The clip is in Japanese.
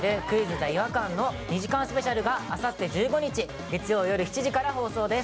ＴＨＥ違和感」の２時間スペシャルがあさって１５日月曜夜７時から放送です。